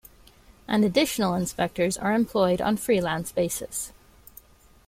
And additional inspectors are employed on freelance basis.